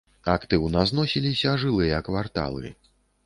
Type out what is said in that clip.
Актыўна зносіліся жылыя кварталы.